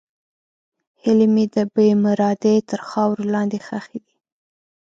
هیلې مې د بېمرادۍ تر خاورو لاندې ښخې دي.